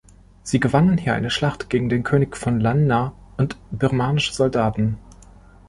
Sie gewannen hier eine Schlacht gegen den König von Lan Na und birmanische Soldaten.